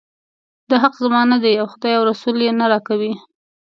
دا حق زما نه دی او خدای او رسول یې نه راکوي.